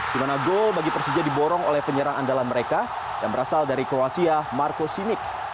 di mana gol bagi persija diborong oleh penyerang andalan mereka yang berasal dari kroasia marco simic